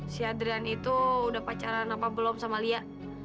si adrian itu udah pacaran apa belum sama lia